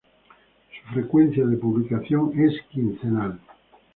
Su frecuencia de publicación es quincenal.